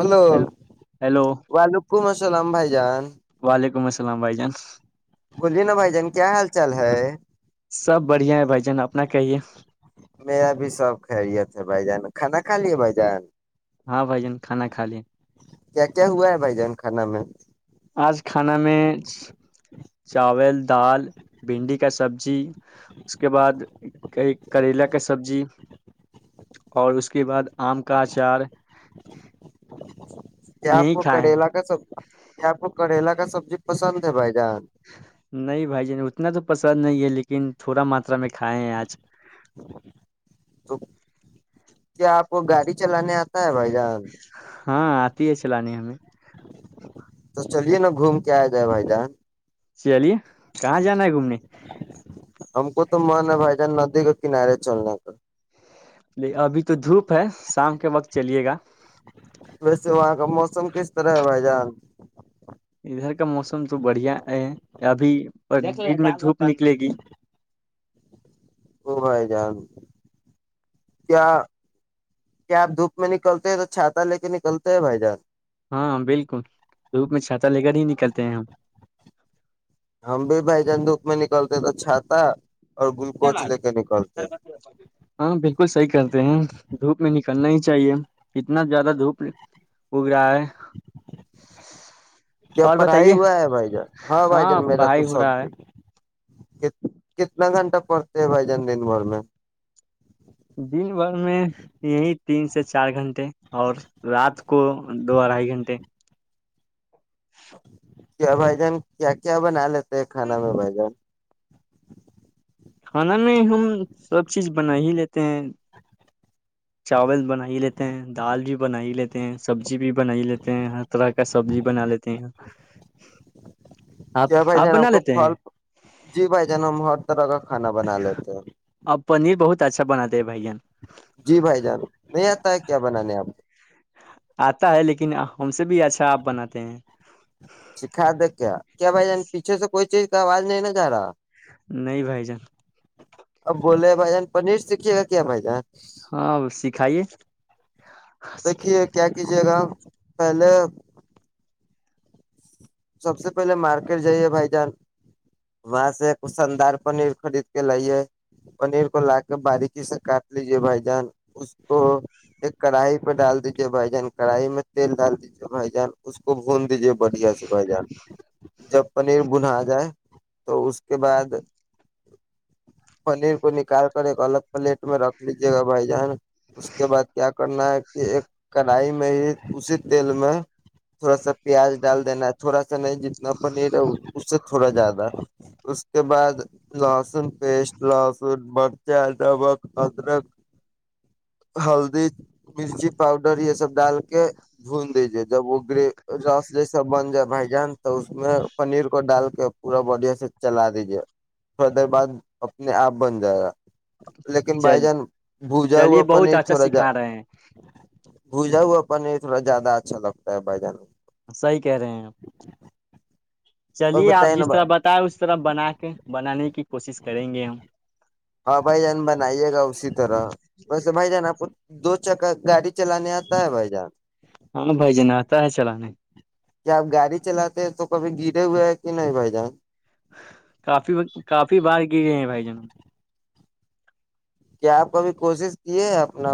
السلام علیکم محترم بھائی ہیلو جان آپ کو بھی مبارک ہیلو ہلو ول کم السلام بھائی جان سلام بائی چانس بولیے نا بھائی جان کیا حال چال ہے سب بڑھیا ہے بھ جن اپنا کہیے میرا بھی سب خیریت ہے بھ جان کھانا کھا لے بھائی جان ہاں بھائی جن کھانا کھا لے کیا کیا ہوا ہے بھائی جان کھانا میں آج کھانا میں چاول دال بھنڈی کا سبزی اس کے بعد ایک کریلا کا سبزی اور اس کے بعد آم کا اچار کیا آپ یہی کو کھائے ہیں کریلا کا سب کیا آپ کریلا کا سبزی پسند ہے بائی نہیں بھائی ج نے اتنا تو پسند نہیں ہے لیکن تھھوڑا ماترا میں کھائے ہیں آج تو کیا آپ کو گاڑی چلانے آتا ہے بھائی جان ہاں آتی ہے چانی ہمیں تو چلیے نا گھوم کے آیا جائے بھائی جان چلیے کہاں جانا ہے گھومنے ہم کو تو من ہے بھائی جان ندی کے کنارے چلنے کا ل ابھی تو دھوپ ہے شام کے وقت چلیے گا ویسے وہاں کا موسم کس طرح ہے بھائی جان ج ادھر کا موسم تو بڑھیا ہے ابھی بھی میں دھوپ نکلے گی وہ بھائی جان کیا کیا آپ دھوپ میں نکلتے ہیں تو چھاتہ لے کے نکلتے ہیں بھائی جان ہاں بالکل دوپ میں چھاتا لے کر ہی نکلتے ہیں ہم ہم بھی بھائی جان دکھ میں نکلتے توھا ہاں بالکل صحیح کرتے ہیں دھوپ میں نکل کرنا ہی چاہیے کتنا زیادہ دھوپ اگ رہا ہے کیا اور پڑھائی بتائیے ہوا ہے بھائی جان ہاں بھائی جان میرا تو پڑھائی ہو سو رہا ہے کتنا گھنٹہ کرتے ہیں بھائی جن دن بھر میں دن بھر میں یہی تین سے چار گھنٹے اور رات کو دو اڑھائی گھنٹے کیا بھائی جان کیا کیا بنا لیتے کھانا میں بھ جان کھانا میں ہم سب چیز بنا ہی لیتے ہیں چاول بنا ہی لیتے ہیں دال بھی بن ہی لیتے ہیں سبزی بھی بنا ہی لیتے ہیں ہر طرح کا سبزی بنا لیتے ہیں آپ کیا بھائی جان بنا آپ کو لیتے ہیں پھل جی بھائی جان ہم ہر طرح کا کھانا بنا لیتے ہیں آپ پنیر بہت اچھا بناتے بھین جی بھائی جان نہیں آتا ہے کیا بنانے آپ کو آتا ہے لیکن ہم سے بھی اچھا آپ بناتے ہیں سکھا دے کیا کیا بھائی ج پیچھے سے کوئی چیز کا آواز نہیں ن جا رہا نہیں بھائی جان اب بولے بھائی جان پنیر سیکھیے گا کیا بھائی جان ہاں سکھائیے دیکھیے کیا کیجیے گاپ پ ن سب سے پہلے مارکیٹ جائیے بھائی جان وہاں سے ایک شاندار پنیر خرید کے لائیے پنیر کو لا کے باریکی سے کاٹ لیجے بھائی جان اس کو ایک کڑھائی پہ ڈال دیجے بھائی جان کڑھائی میں تیل ڈال دیجیے بھائی جان اس کو ہتی جی بڑیا سب جا جب پنیر بنا جائے تو اس کے بعد پنیر کو نکال کر ایک الگ پلیٹ میں رکھ لیجے گا بھائی جان اس کے بعد کیا کرنا ہے کہ ایک کڑھائی میں ہی اسی تیل میں تھوڑا سا پیاز ڈال دینا ایسا نہیں جتنا پنیر ہے اس سے تھوڑا زیادہ اس کے بعد لہسن پیسٹ لہسن مرچ ڈبک ادرک ہلدی مرچی پاؤڈر یہ سب ڈال کے بھون دیجے جب وہ گ رس جیسا بن جائے بھائی جان تو اس میں پنیر کو ڈال کے پورا بڑیا سے چلا دیجیے تھوڑا دیر بعد اپنے آپ بن جائے گا لیکن بھائی چل جان بھجا ہو چلیے اپن بہت اچھا تھوڑا جا سکھا رہے ہیں بھجا ہوا بنے تھڑا زیادہ اچھا لگتا ہے بھائی جان صحی کہہ رہے ہیں آپ اور چلیے آپ بتائیے نا جس بھائی طرح بتائے اس طرح بنا کے بنانے کی کوشش کریں گے ہم ہاں بائی جان ب نہیں ہے گاؤ س طر بس بائی جانا اپ دو چک گاڑی چلانے آتا ہے بھائی جان ہاں بھائی جن آتا ہے چلانے کیا آپ گاڑی چلاتے ہیں تو کبھی گرے ہوئے ہیں کہ نہیں بھائی جان کافی کافی بار گرے ہیں بھائی جنم کیا آپ کبھی کوشش کیے اپنا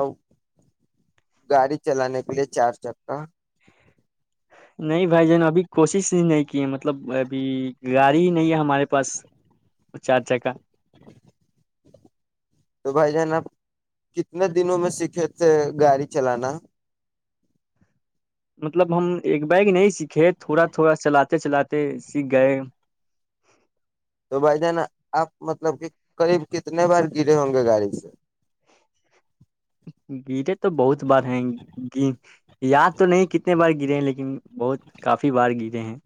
گاڑی چلانے کے لیے چار چک کا نہیں بھائی جین ابھی کوشش ہی نہیں کی ہے مطلب ابھی گاڑی ہی نہیں ہے ہمارے پاس چار جگ کاہ تو بھائی جان آپ کتنے دنوں میں سیکھے تھے گاڑی چلانا مطلب ہم ایک بیگ نہیں سیکھے تھوڑا تھوڑا چلاتے چلاتے سیکھ گئے تو بھائی جانا آپ مطلب کہ قریب کتنے بار گرے ہوں گے گاڑی سے گرے تو بہت بار ہیں یاد تو نہیں کتنے بار گرے ہیں لیکن بہت کافی بار گرے ہیں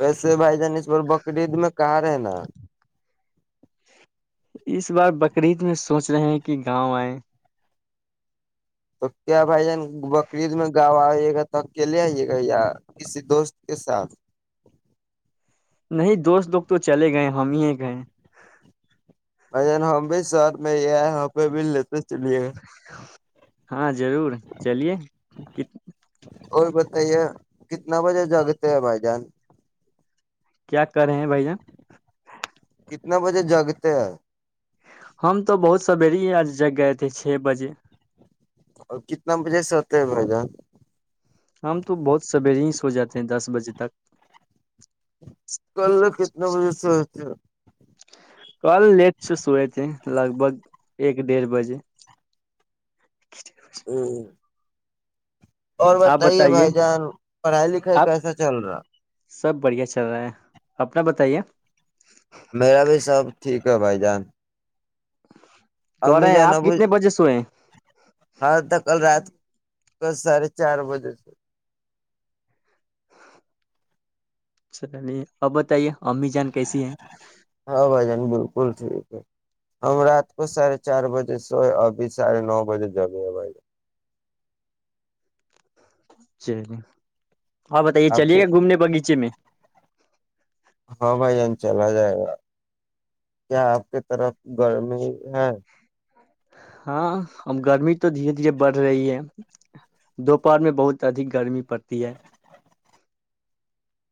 ویسے بھائی جان اس پر بقرید میں کہاں ہے نا اس بار بقرعید میں سوچ رہے ہیں کہ گاؤں آئے تو کیا بھائی جان بقرریید میں گاؤں آئیے گا تو اکیلے آئیے گا یا کسی دوست کے ساتھ نہیں دوست لوگ تو چلے گئے ہم ہی گئے ا ہم بھی سر میں یہ پہ بھی لیتے چلیے ہاں ضرور چلیے کت کوئی بتائیے کتنا بجے جگتے ہیں بھائی جان کیا کرے ہیں بھائی جن کتنے بجے جگتے ہیں ہم تو بہت سوری ہی آج جگ گئے تھے چھ بجے اور کتنا بجے سے آتے ہے بھائی جان ہم تو بہت سویرے ہی سو جاتے ہیں دس بجے تک کل کتنے بجے سے ہوتے کل لیٹ چ سوئے تھھی لگ بھگ ایک ڈھ بجے ا اور بتائیے بھائی جان پڑھائی لکھائی آپ کیسا چل رہا سب بڑھیا چل رہا ہے اپنا بتائیے میرا بھی سب ٹھیک ہے بھائی جان کر امی رہے ہیں جان آپ ابو کتنے بجے سوئے ہیں کس سھے چار بجے سے چل نہیں آپ بتائیے امی جان کیسی ہیں جی ج ہم رات کو ساھے چار بجے سوئے ابھی ساڑھے نو بجے جب ہے بھائی چی ہاں بتائیے جان آپ چلیے کے گا گھومنے باغیچے میں ہاں بھائی یہان چلا جائے گا کیا آپ کی طرف گرمی ہے ہاں اب گرمی تو دھیرے دھیرے بڑھ رہی ہے دوپہر میں بہت ادھک گرمی پڑتی ہے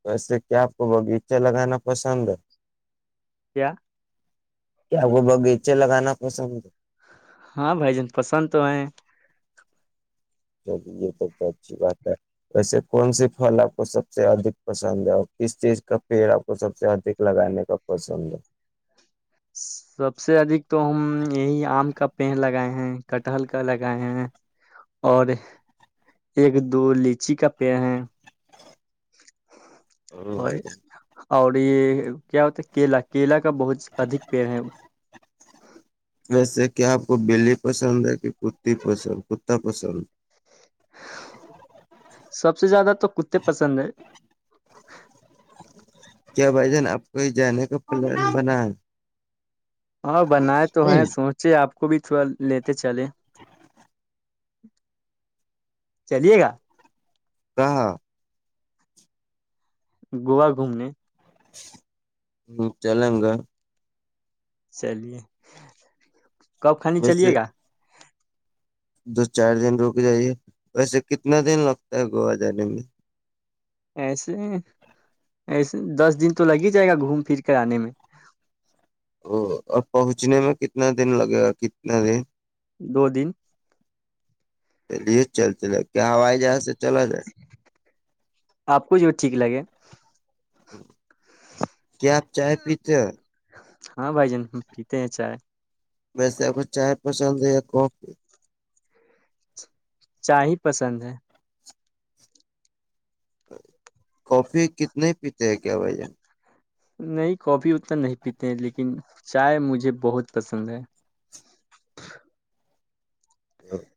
ویسے کیا آپ کو باغیچہ لگانا پسند ہے کیا کیا کو باغیچے لگانا پسند ہے ہاں بھائی جان پسند تو ہے چلی یہ تو تو اچھی بات ہے ویسے کون سے پھل آپ کو سب سے ادھک پسند ہے اور کس چیز کا پیڑ آپ کو سب سے ادھ لگانے کا پسند ہے سب سے ادک تو ہم یہی آم کا پیڑ لگائے ہیں کٹہل کا لگائے ہیں اور ایک دو لیچی کا پےڑ ہے السلام علیکم محترم بھائی جان آپ کو بھی مبارک او آا اور یہ کیا ہوتا ہے کیلا کیلا کا بہت ادھ پیڑ ہے جیسے کیا آپ کو بلی پسند ہے کہ کتی پسند کتا پسند سب سے زیادہ تو کتے پسند ہے کیا بھائی جان آپ کویں جانے کا پلان بنا ہاں بنائے تو ہے ہیں سوچے آپ کو بھی تھوڑا لیتے چلے چلیے گا کہاں گووا گھومنے ہ چل گا چلیے کب خنی چلیے ویسے گا دو چار دن رک جائیے ویسے کتنا دن لگتا ہے گووا جانے میں ایسے ایسے دس دن تو لگ ہی جائے گا گھوم پھر کر آنے میں ا اب پہنچنے میں کتنا دن لگے گا کتنا دن دو دن چلیے چل چلے کیا ہو ہے جہاں سے چلا جائے آپ کوھ ٹھیک لگے کیا آپ چائے پی ہاں بھائی جان پیتے ہیں چائے ویسے آپ کو چائے پسند ہے یا کافی چائے ہی پسند ہے کافی کتنے پیتے ہیں کیا بھین نہیں کاپی اتنا نہیں پیتے ہیں لیکن چائے مجھے بہت پسند ہے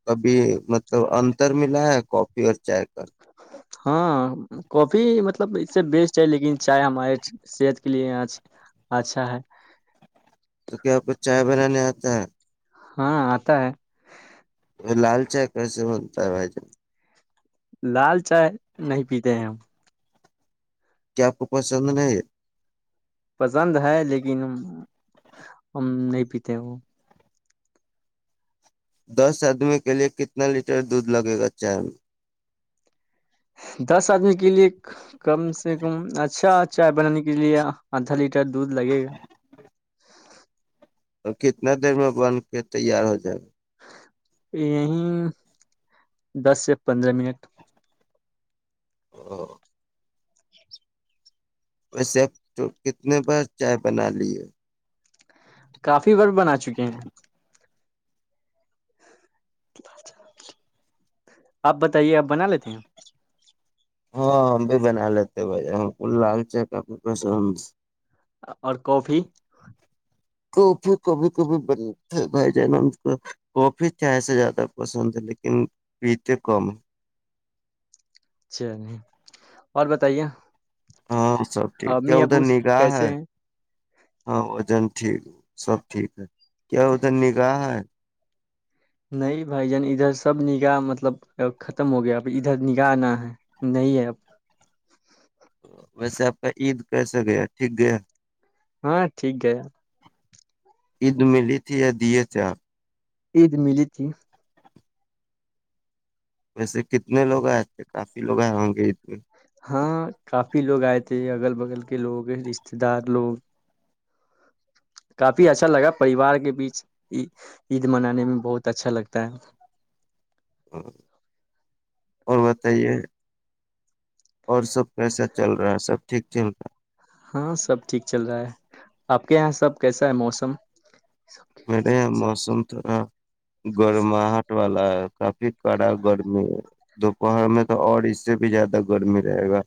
کبھی مطلب انتر ملا ہے کافی اور چائے کا ہاں کافی مطلب اس سے بیسٹ ہے لیکن چائے ہمارے صحت کے لیے اچھا ہے تو کیا بچ چائے بنانے آتا ہے ہاں آتا ہے تو لال چائے کیسے بنتا ہے بھائی ج لال چائے نہیں پیتے ہیں ہم کیا آپ کو پسند نہیں؟ پسند ہے لیکن ہم نہیں پیتے وہ دس آدمی کے لیئے کتنا لیٹر دودھ لگے گا چین دس آدمی کے لیے کم سے کم اچھا چائے بنانے کے لیے آدھا لیٹر دودھ لگے گا اور کتنا دیر میں بن کے تیار ہو جائے گا یہیں دس سےیا پندرہ منٹ [unintelligible] ویسےپ کتنے بار چائے بنا لیے کافی وور بنا چکے ہیں آپ بتائیے آپ بنا لیتے ہیں [unintelligible] اور کافی کافی کبھی کبھی ب بھائی جان نا کو کافی چائے سے زیادہ پسند ہے لیکن پیتے کم ہیں اچ چل نہیں اور بتائیے ہاں سب ٹھیک کیا امی ادھر ابو نگاہ کیسے ہے ہیں ہاں وجن ٹھیک سب ٹھیک ہے [unintelligible] نہیں بھائی جان ادھر سب نگاہ مطلب ختم ہو گیا اب ادھر نگاہ آنا ہے نہیں ہے اب ویسے آپ کا عید کیسا گیا ٹھیک گیا ہاں ٹھ گ عید ملی تھی یا دیے تھے آ عید ملی تھی ویسے کتنے لوگ آئے تھے کافی لوگ آئے ہوں گے عید میں ہاں کافی لوگ آئے تھے اگل بغل کے لوگ رشتے دار لوگ کافی اچھا لگا پریوار کے بیچ عید منانے میں بہت اچھا لگتا ہے اور بتائیے اور سب کیسا چل رہا ہے سب ٹھیک چل رہا ہے ہاں سب ٹھیک چل رہا ہے آپ کے یہاں سب کیسا ہے موسم سب کے سب سر تو ہ [unintelligible] گرم ہٹ [unintelligible] والا کافی کڑا گرمی ہے دوپہر میں تو اور اس سے بھی زیادہ گرمی رہے گا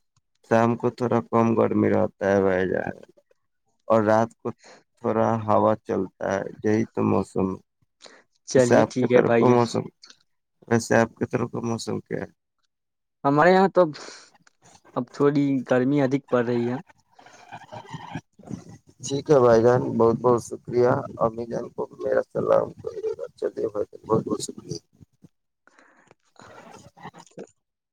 شام کو تھوڑا کم گرمی رہتا ہے بھائی جان اور رات کتورہ [unintelligible] ہوا چلتا ہے [unintelligible] چیت موسم [unintelligible] جیسے چلیے آپ کی ٹھیک ہے طرف بھائی جان موسم [unintelligible] ویسے آپ کی طر کا موسم کیا ہے ہمارے یہاںاں تو اب تھوڑی [unintelligible] گرمی ادک پڑ رہی ہے [unintelligible] ٹھیک ہے بھائی جان بہت بہت شکریہ امی جان کو میرا سلام بچہ دے ب بہت بہت شکریہ [inaudible]